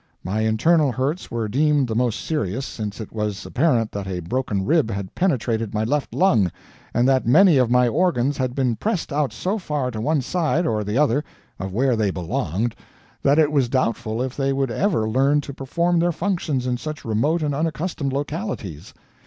My internal hurts were deemed the most serious, since it was apparent that a broken rib had penetrated my left lung, and that many of my organs had been pressed out so far to one side or the other of where they belonged, that it was doubtful if they would ever learn to perform their functions in such remote and unaccustomed localities.